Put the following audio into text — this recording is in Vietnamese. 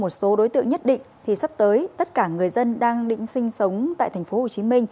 một số đối tượng nhất định thì sắp tới tất cả người dân đang định sinh sống tại tp hcm